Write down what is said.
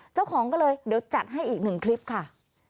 เจ้าของก็เลยเดี๋ยวจัดให้อีกหนึ่งคลิปค่ะ